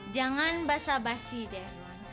jangan basa basi deh